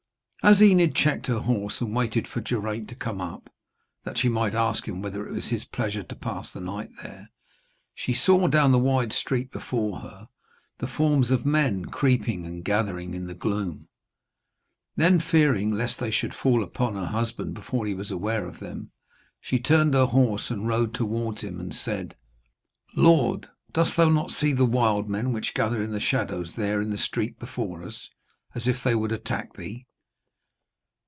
And as Enid checked her horse and waited for Geraint to come up, that she might ask him whether it was his pleasure to pass the night there, she saw, down the wide street before her, the forms of men, creeping and gathering in the gloom. Then, fearing lest they should fall upon her husband before he was aware of them, she turned her horse and rode towards him and said: 'Lord, dost thou see the wild men which gather in the shadows there in the street before us, as if they would attack thee?'